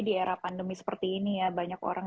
di era pandemi seperti ini ya banyak orang